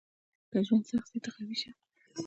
• که ژوند سخت شي، ته قوي شه.